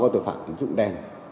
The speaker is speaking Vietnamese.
tội phạm tín dụng đen